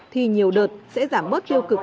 thì nhiều đợt sẽ giảm bớt tiêu cực